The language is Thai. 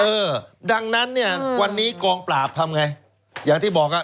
เออดังนั้นเนี่ยวันนี้กองปราบทำไงอย่างที่บอกอ่ะ